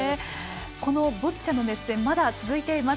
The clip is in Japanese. このボッチャの熱戦まだ続いています。